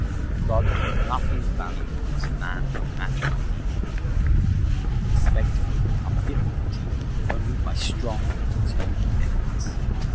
God gives nothing of value unto man unmatched by need of labor; and we can expect to overcome difficulties only by strong and determined efforts.